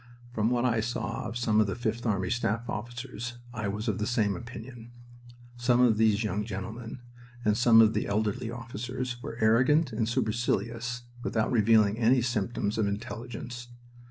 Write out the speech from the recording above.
From what I saw of some of the Fifth Army staff officers I was of the same opinion. Some of these young gentlemen, and some of the elderly officers, were arrogant and supercilious without revealing any symptoms of intelligence.